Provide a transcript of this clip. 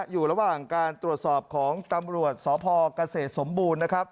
อยู่ระหว่างการตรวจสอบของตำรวจสพเกษตรสมบูรณ์นะครับ